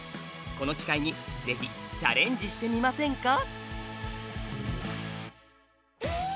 この機会にぜひチャレンジしてみませんか？